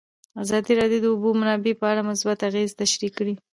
ازادي راډیو د د اوبو منابع په اړه مثبت اغېزې تشریح کړي.